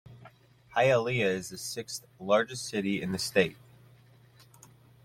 Hialeah is the sixth-largest city in the state.